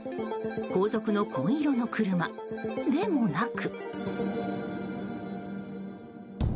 後続の紺色の車でもなく。